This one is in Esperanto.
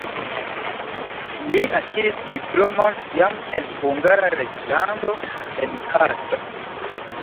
Li akiris diplomon jam en Hungara reĝlando en Kassa.